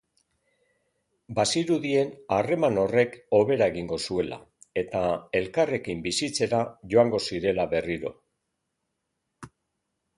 Bazirudien harreman horrek hobera egingo zuela, eta elkarrekin bizitzera joango zirela berriro.